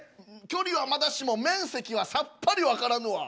距離はまだしも面積はさっぱりわからぬわ。